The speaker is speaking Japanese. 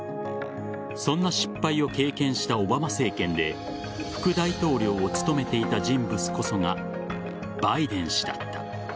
そんな失敗を経験したオバマ政権で副大統領を務めていた人物こそがバイデン氏だった。